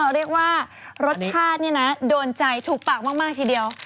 เรียกว่ารสชาตินี่นะโดนใจถูกปากมากทีเดียว